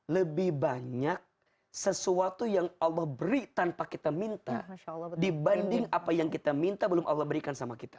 lebih banyak sesuatu yang allah beri tanpa kita minta dibanding apa yang kita minta belum allah berikan sama kita